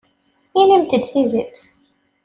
Inimt-d tidet.